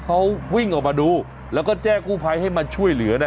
เขาวิ่งออกมาดูแล้วก็แจ้งกู้ภัยให้มาช่วยเหลือนะ